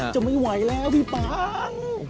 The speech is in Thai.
จะไม่ไหวแล้วพี่ปัง